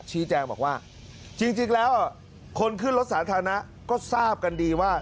ชี้แจงบอกว่าจริงแล้วคนขึ้นรถสาธารณะก็ทราบกันดีว่า